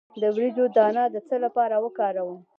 د وریجو دانه د څه لپاره وکاروم؟